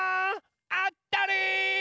あったり！